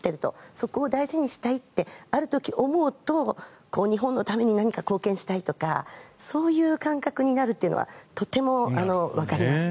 そこを大事にしたいってある時、思うと日本のために何か貢献したいとかそういう感覚になるというのはとてもわかります。